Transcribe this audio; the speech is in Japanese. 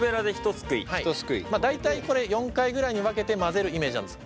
大体これ４回ぐらいに分けて混ぜるイメージなんです。